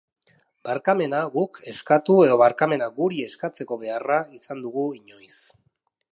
Barkamena guk eskatu edo barkamena guri eskatzeko beharra izan dugu inoiz.